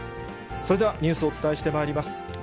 それではニュースをお伝えしてまいります。